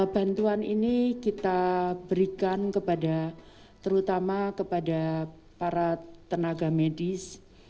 bantuan ini kita berikan kepada terutama kepada para tenaga medis